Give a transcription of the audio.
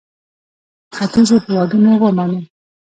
ختیځو هېوادونو ومانه.